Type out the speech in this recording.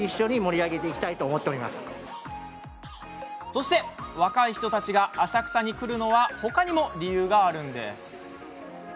そして若い人たちが浅草に来るのはほかにも理由があるんです。